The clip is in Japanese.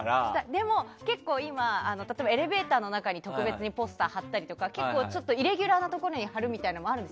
でも、結構今エレベーターの中に特別にポスター貼ったりとか結構、イレギュラーなところに貼るみたいなのもあって。